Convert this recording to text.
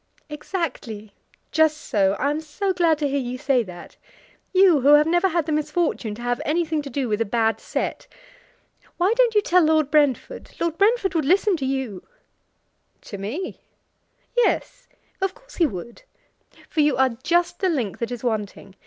"Exactly, just so; I am so glad to hear you say that, you who have never had the misfortune to have anything to do with a bad set. Why don't you tell Lord Brentford? Lord Brentford would listen to you." "To me?" "Yes; of course he would, for you are just the link that is wanting.